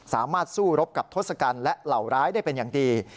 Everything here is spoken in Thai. สามารถสู้รบกับทศกัณฐ์และเหล่าร้ายได้เป็นอย่างดี